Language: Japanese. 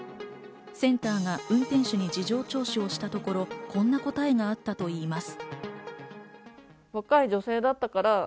センターが運転手に事情聴取をしたところ、こんな答えがあったといいます。